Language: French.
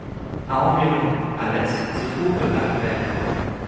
À environ à l'est se trouve le lac Vert.